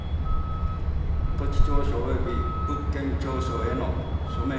土地調書および物件調書への署名